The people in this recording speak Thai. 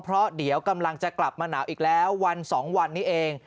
เพราะเดี๋ยวกำลังจะกลับมาหนาวอีกแล้ววัน๒วันนี้เอง